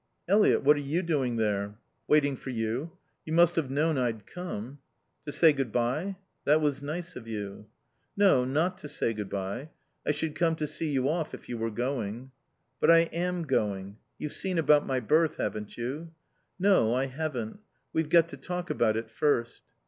"Eliot, what are you doing there?" "Waiting for you. You must have known I'd come." "To say good bye? That was nice of you." "No, not to say good bye. I should come to see you off if you were going." "But I am going. You've seen about my berth, haven't you?" "No, I haven't. We've got to talk about it first."